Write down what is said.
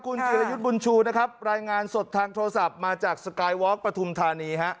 คุณจิรยุทธ์บุญชูนะครับรายงานสดทางโทรศัพท์มาจากสกายวอล์ปฐุมธานีฮะ